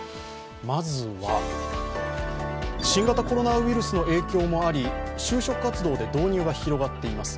まずは、新型コロナウイルスの影響もあり、就職活動で導入が広がっています